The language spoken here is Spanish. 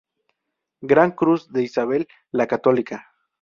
Gran Cruz de Isabel la Católica.